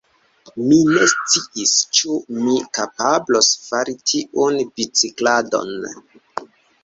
Mi ne sciis ĉu mi kapablos fari tiun bicikladon.